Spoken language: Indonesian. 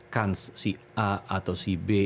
kans si a atau si b